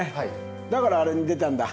だからあれに出たんだ？